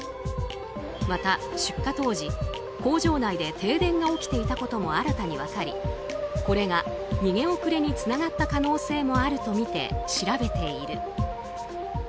また、出火当時工場内で停電が起きていたことも新たに分かりこれが逃げ遅れにつながった可能性もあるとみて調べている。